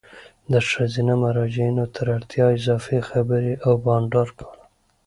د ښځینه مراجعینو تر اړتیا اضافي خبري او بانډار کول